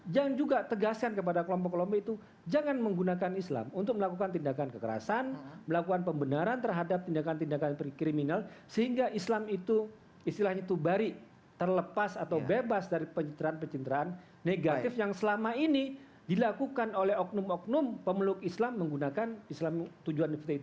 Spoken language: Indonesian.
jangan juga tegaskan kepada kelompok kelompok itu jangan menggunakan islam untuk melakukan tindakan kekerasan melakukan pembenaran terhadap tindakan tindakan kriminal sehingga islam itu istilahnya itu bari terlepas atau bebas dari pencerahan pencerahan negatif yang selama ini dilakukan oleh oknum oknum pemeluk islam menggunakan islam tujuan negeri tersebut